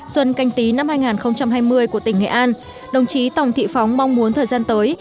xuân canh tí năm hai nghìn hai mươi của tỉnh nghệ an đồng chí tòng thị phóng mong muốn thời gian tới